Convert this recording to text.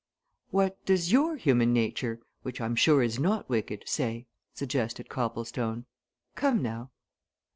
"What does your human nature which I'm sure is not wicked, say?" suggested Copplestone. "Come, now!"